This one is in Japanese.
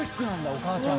お母ちゃん。